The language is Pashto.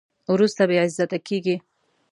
وروسته بې عزته کېږي.